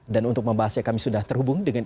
dan untuk membahasnya kami sudah terhubung dengan